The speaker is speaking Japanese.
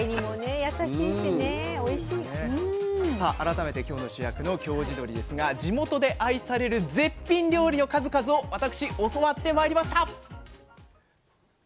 さあ改めて今日の主役の京地どりですが地元で愛される絶品料理の数々を私教わってまいりました！